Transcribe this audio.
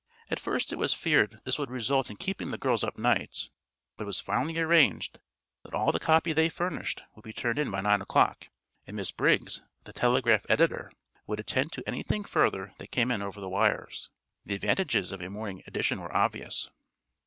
At first it was feared this would result in keeping the girls up nights, but it was finally arranged that all the copy they furnished would be turned in by nine o'clock, and Miss Briggs, the telegraph editor, would attend to anything further that came in over the wires. The advantages of a morning edition were obvious.